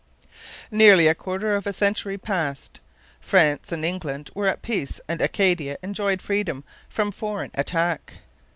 Nearly a quarter of a century passed. France and England were at peace and Acadia enjoyed freedom from foreign attack.